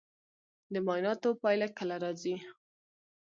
د معایناتو پایله کله راځي؟